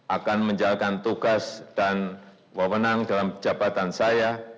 akan menjalankan tugas dan wawenang dalam jabatan saya